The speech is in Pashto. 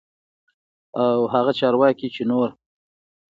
او هغه چارواکي چې نور